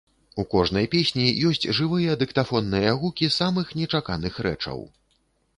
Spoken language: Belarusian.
У кожнай песні ёсць жывыя дыктафонныя гукі самых нечаканых рэчаў.